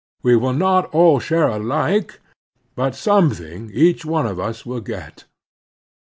We will not all share alike, but something each one of us will get.